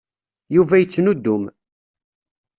Yuba yettnudum.